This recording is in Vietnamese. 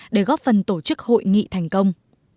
để góp phần tổ chức hội nghị thành công